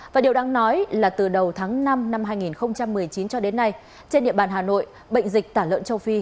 và điều đáng nói là từ đầu tháng năm năm hai nghìn một mươi chín cho đến nay trên địa bàn hà nội bệnh dịch tả lợn châu phi